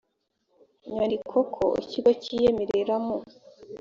nyandiko ko ikigo kiyemerera mu